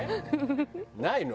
ないの？